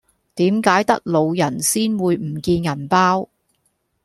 點解得老人先會唔見銀包